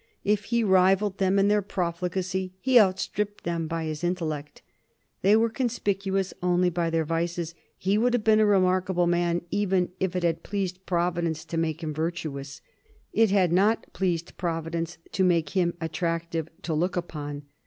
If he rivalled them in their profligacy, he outstripped them by his intellect. They were conspicuous only by their vices; he would have been a remarkable man even if it had pleased Providence to make him virtuous. It had not pleased Providence to make him attractive to look upon.